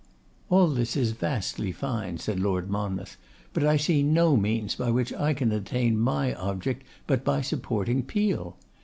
'All this is vastly fine,' said Lord Monmouth; 'but I see no means by which I can attain my object but by supporting Peel.